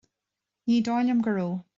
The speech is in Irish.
Ní dóigh liom go raibh